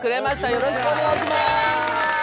よろしくお願いします。